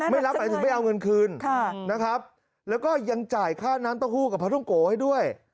ไม่รับหมายถึงไม่เอาเงินคืนนะครับแล้วก็ยังจ่ายค่าน้ำเต้าหู้กับพระทุ่งโกให้ด้วย